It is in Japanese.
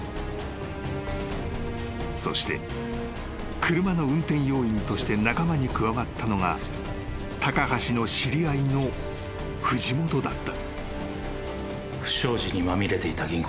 ［そして車の運転要員として仲間に加わったのが高橋の知り合いの藤本だった］